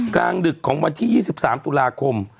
กลางดึกของวันที่๒๓ตุลาคม